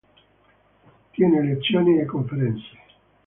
Tiene lezioni e conferenze.